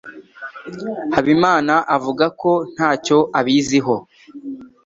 Habimana avuga ko ntacyo abiziho.